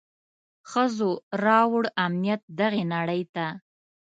ښځو راووړ امنيت دغي نړۍ ته.